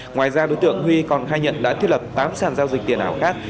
ngoài ra đối tượng huy còn khai nhận đã thiết lập tám sàn giao dịch tiền ảo khác